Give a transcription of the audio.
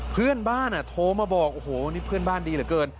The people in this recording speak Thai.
เพื่อนบ้านโทรมาบอกโอ้โหนี่เพื่อนบ้านดีเหลือเกิน